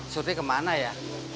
surti kemana ya